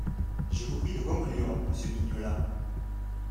Je vous prie de conclure, monsieur Mignola.